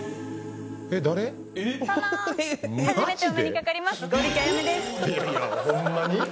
殿初めてお目にかかりますホンマに？